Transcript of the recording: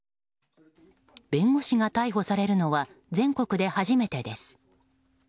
弁護士が逮捕されるのは全国で初めてです。